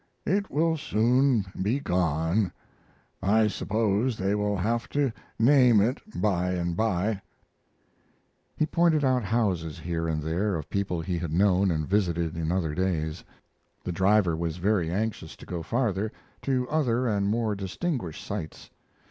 It will soon be gone. I suppose they will have to name it by and by." He pointed out houses here and there of people he had known and visited in other days. The driver was very anxious to go farther, to other and more distinguished sights.